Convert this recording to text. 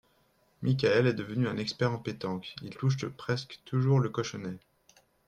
Michaël est devenu un expert en pétanque, il touche presque toujours le cochonnet